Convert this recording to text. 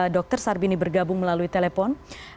dr sarbini bergabung melalui telepon